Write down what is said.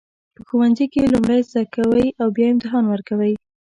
په ښوونځي کې لومړی زده کوئ بیا امتحان ورکوئ.